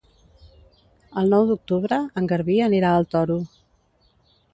El nou d'octubre en Garbí anirà al Toro.